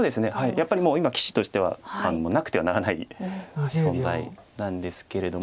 やっぱりもう今棋士としてはなくてはならない存在なんですけれども。